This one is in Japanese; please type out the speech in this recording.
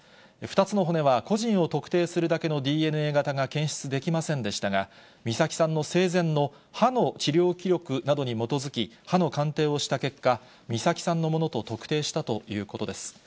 ２つの骨は、個人を特定するだけのＤＮＡ型が検出できませんでしたが、美咲さんの生前の歯の治療記録などに基づき、歯の鑑定をした結果、美咲さんのものと特定したということです。